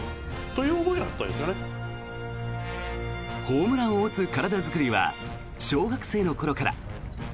ホームランを打つ体作りは小学生の頃から。